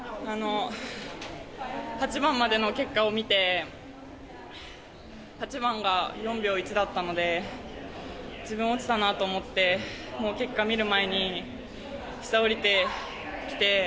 ８番までの結果を見て８番が、５４秒１だったので自分は落ちたなと思っていたので結果を見る前に下に下りてきて。